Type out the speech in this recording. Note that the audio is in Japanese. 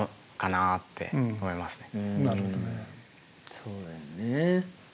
そうだよね。